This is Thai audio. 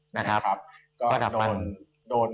นะครับก็โดน